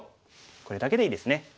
これだけでいいですね。